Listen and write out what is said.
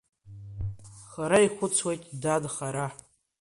Хара ихәыцуеит, дад, хара!